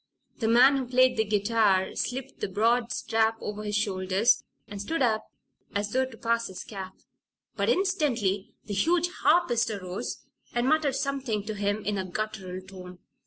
The man who played the guitar slipped the broad strap over his shoulders and stood up as though to pass his cap. But instantly the huge harpist arose and muttered something to him in a guttural tone.